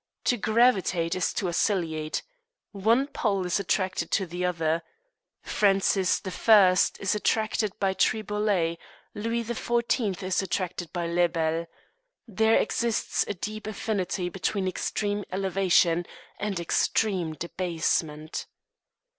To gravitate is to oscillate. One pole is attracted to the other. Francis I. is attracted by Triboulet; Louis XIV. is attracted by Lebel. There exists a deep affinity between extreme elevation and extreme debasement.